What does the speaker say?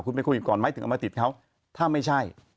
คุณเคยพูดก่อนไหมถึงเอามาติดเขาถ้าไม่ใช่